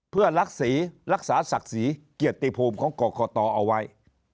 เพื่อรักศรีรักษาศักดิ์ศรีเกียรติภูมิของกรกตเอาไว้